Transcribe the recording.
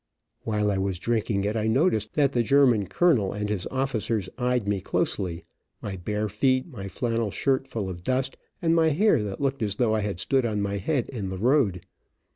While I was drinking it I noticed that the German colonel and his officers eyed me closely, my bare feet, my flannel shirt full of dust, and my hair that looked as though I had stood on my head in the road.